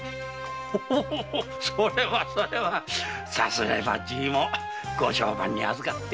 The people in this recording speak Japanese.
それはそれはさすればじぃもご相伴にあずかって。